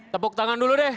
tepuk tangan dulu deh